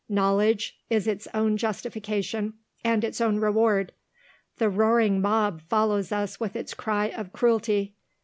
Knowledge is its own justification and its own reward. The roaring mob follows us with its cry of Cruelty.